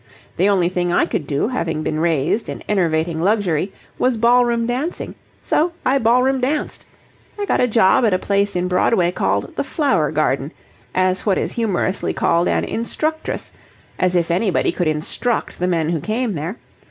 The only thing I could do, having been raised in enervating luxury, was ballroom dancing, so I ball room danced. I got a job at a place in Broadway called 'The Flower Garden' as what is humorously called an 'instructress,' as if anybody could 'instruct' the men who came there.